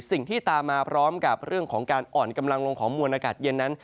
สิ่งที่ตามมาพร้อมกับเรื่องของการอ่อนกำลังลงของมวลอากาศเย็นนั้น